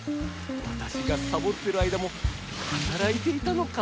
わたしがサボってる間もはたらいていたのか。